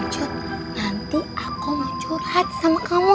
cut nanti aku mau curhat sama kamu